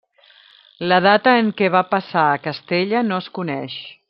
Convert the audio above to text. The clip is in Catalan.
La data en què va passar a Castella no es coneix.